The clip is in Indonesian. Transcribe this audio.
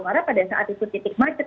karena pada saat itu titik macet